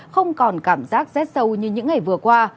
không còn cảm giác rét sâu như những ngày vừa qua